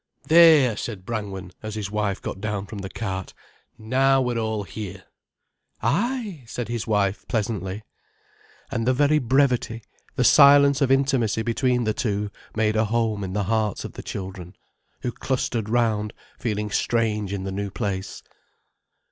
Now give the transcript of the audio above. "There!" said Brangwen, as his wife got down from the cart: "Now we're all here." "Ay," said his wife pleasantly. And the very brevity, the silence of intimacy between the two made a home in the hearts of the children, who clustered round feeling strange in the new place.